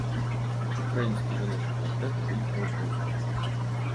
Украінскі жаночы квартэт выйграў гонку.